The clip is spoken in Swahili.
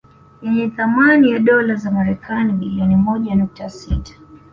Yenye thamani ya dola za Marekani bilioni moja nukta sita